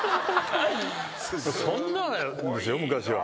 そんなんですよ昔は。